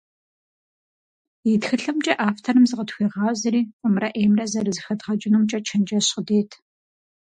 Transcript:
И тхылъымкӀэ авторым зыкъытхуегъазэри фӀымрэ Ӏеймрэ зэрызэхэдгъэкӀынумкӀэ чэнджэщ къыдет.